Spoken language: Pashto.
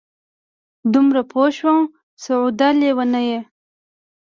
دومره پوه شومه سعوده لېونیه!